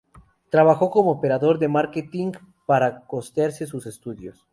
Trabajó como operador de marketing para costearse sus estudios.